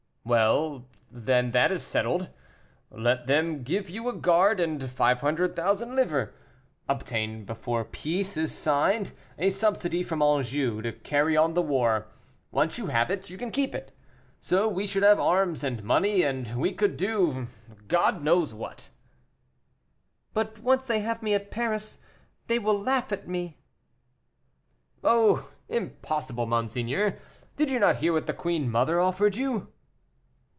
"Well, then, that is settled. Let them give you a guard and five hundred thousand livres. Obtain, before peace is signed, a subsidy from Anjou, to carry on the war. Once you have it, you can keep it. So, we should have arms and money, and we could do God knows what." "But once they have me at Paris, they will laugh at me." "Oh! impossible, monseigneur; did you not hear what the queen mother offered you?"